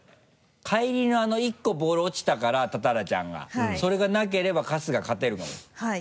帰りのあの１個ボール落ちたから多々良ちゃんが。それがなければ春日勝てるかもしれない。